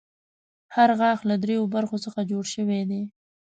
هر غاښ له دریو برخو څخه جوړ شوی دی.